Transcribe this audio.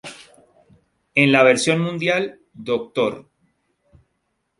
En la versión mundial "Dr.